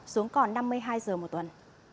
xuống còn năm mươi hai giờ một tuần